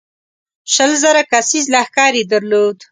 شل زره کسیز لښکر یې درلود.